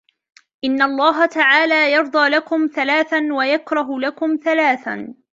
إنَّ اللَّهَ تَعَالَى يَرْضَى لَكُمْ ثَلَاثًا وَيَكْرَهُ لَكُمْ ثَلَاثًا